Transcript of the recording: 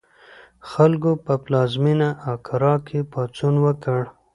خلکو په پلازمېنه اکرا کې پاڅون وکړ.